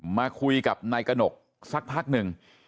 มาคุยกับนายกระหนกสักพักหนึ่ง